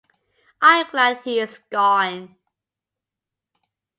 I am glad he is gone.